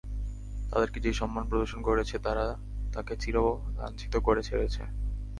তাদেরকে যেই সম্মান প্রদর্শন করেছে, তারা তাকে চির লাঞ্ছিত করে ছেড়েছে।